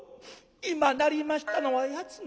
今鳴りましたのは八つの鐘。